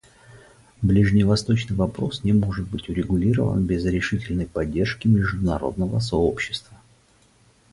Ближневосточный вопрос не может быть урегулирован без решительной поддержки международного сообщества.